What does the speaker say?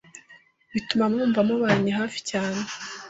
bituma mwumva mubanye hafi cyane